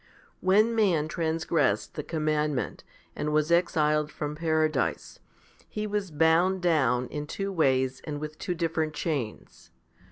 1 2. When man transgressed the commandment, and was exiled from Paradise, he was bound down in two ways and with two different chains.